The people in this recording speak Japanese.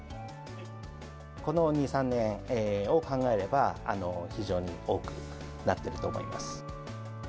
この２、３年を考えれば、非常に多くなっていると思います。